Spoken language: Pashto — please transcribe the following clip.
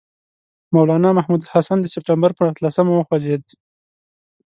مولنا محمود الحسن د سپټمبر پر اتلسمه وخوځېد.